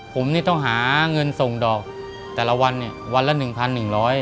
ผมนี่ต้องหาเงินส่งดอกแต่ละวันเนี่ยวันละ๑๑๐๐บาท